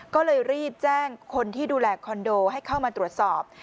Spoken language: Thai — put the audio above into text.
ก็เลยรีบแจ้งคนที่ดูแลคอนโดให้เข้ามาตรวจสอบ